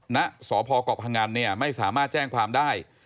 นะสพเกาะพังอันไม่สามารถแจ้งความได้